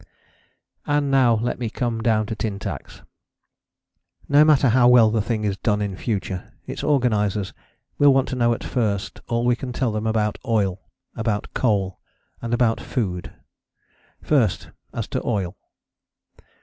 And now let me come down to tin tacks. No matter how well the thing is done in future, its organizers will want to know at first all we can tell them about oil, about cold, and about food. First, as to oil.